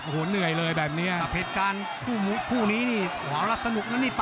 โห้เหนื่อยเลยแบบนี้สาเพดกันคู่นี้นี่หวะไว้สนุกนะนี่